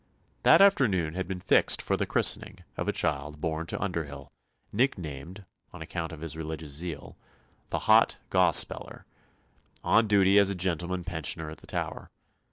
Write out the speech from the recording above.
That afternoon had been fixed for the christening of a child born to Underhyll nicknamed, on account of his religious zeal, the Hot Gospeller on duty as a Gentleman Pensioner at the Tower.